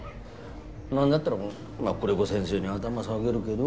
なんだったらまあ久連木先生に頭下げるけど。